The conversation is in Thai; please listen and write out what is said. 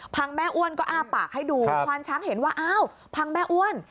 แม่อ้วนก็อ้าปากให้ดูควานช้างเห็นว่าอ้าวพังแม่อ้วน